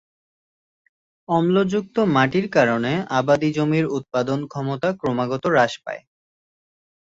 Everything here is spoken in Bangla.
অম্লযুক্ত মাটির কারণে আবাদী জমির উৎপাদন ক্ষমতা ক্রমাগত হ্রাস পায়।